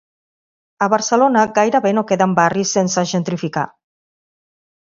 A Barcelona, gairebé no queden barris sense gentrificar.